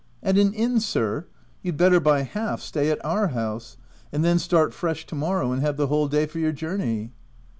" At an inn, sir ? You'd Letter by half stay at our house ; and then start fresh to morrow, and have the whole day for your journey."